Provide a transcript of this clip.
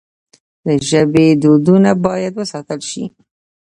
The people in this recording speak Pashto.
د ژبې دودونه باید وساتل سي.